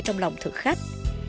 trong lòng thực khách